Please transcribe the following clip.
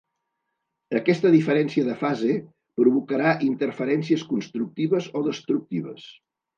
Aquesta diferència de fase provocarà interferències constructives o destructives.